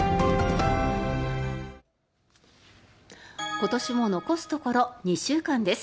今年も残すところ２週間です。